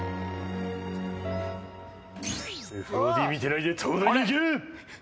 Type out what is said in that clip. ＦＯＤ見てないで東大に行け。